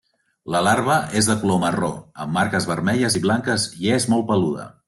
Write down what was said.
La larva és de color marró amb marques vermelles i blanques i és molt peluda.